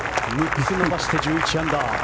３つ伸ばして１１アンダー。